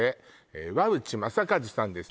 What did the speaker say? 和内正一さんです